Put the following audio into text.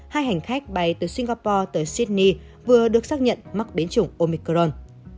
hai hành khách bay từ singapore tới sydney vừa được xác nhận mắc biến chủng omicron